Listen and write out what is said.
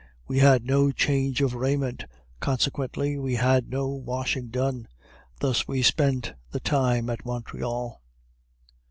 We had no change of raiment, consequently we had no washing done; thus we spent the time at Montreal.